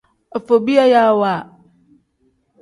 Afobiyayaawa.